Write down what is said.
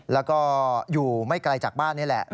แล้วก็อยู่ไม่ไกลจากบ้านนี่แหละ